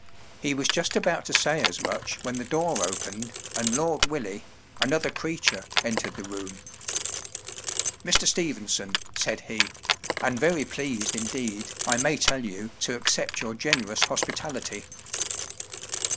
He was just about to say as much when the door opened and Lord Willie, another creature, entered the room. “ Mr. Stevenson,” said he; “ and very pleased indeed, I may tell you, to accept your generous hospitality.